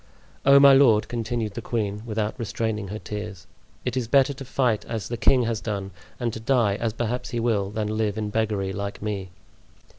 Oh, my lord!" continued the queen, without restraining her tears, "it is better to fight as the king has done, and to die, as perhaps he will, than live in beggary like me."